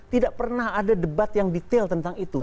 tidak pernah ada debat yang detail tentang itu